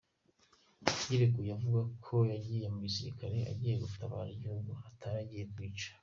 Yireguye avuga ko yagiye mu gisirikare agiye gutabara igihugu atari agiye kwica.